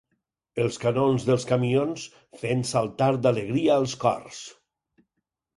Els canons dels camions fent saltar d'alegria els cors